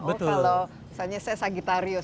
oh kalau misalnya saya sagitarius